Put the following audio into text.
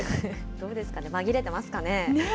どうですかね、まぎれてますかね。